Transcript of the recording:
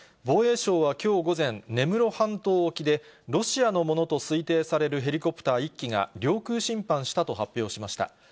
防衛省はきょう午前、根室半島沖で、ロシアのものと推定されるヘリコプター１機が、領空侵犯したと発表しました。